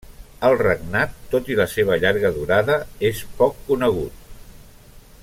El regnat, tot i la seva llarga durada, és poc conegut.